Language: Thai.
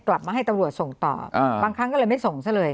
กลับมาให้ตำรวจส่งต่อบางครั้งก็เลยไม่ส่งซะเลย